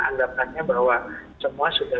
anggapannya bahwa semua sudah